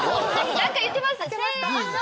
何か言ってますせの。